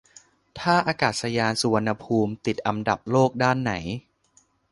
ท่าอากาศยานสุวรรณภูมิติดอันดับโลกด้านไหน